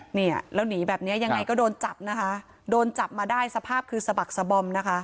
เนี่ยแล้วหนีแบบเนี้ยยังไงก็โดนจับนะคะโดนจับมาได้สภาพคือสะบักสะบอมนะคะ